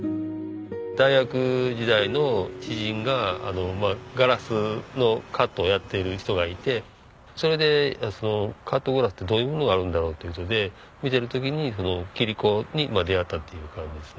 大学時代の知人がガラスのカットをやっている人がいてそれでカットグラスってどういうものがあるんだろうという事で見てる時に切子に出会ったっていう感じですね。